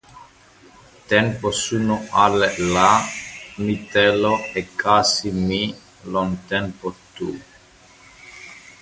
tenpo suno ale la mi telo e kasi mi lon tenpo tu.